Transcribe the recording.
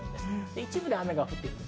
一部雨が降っています。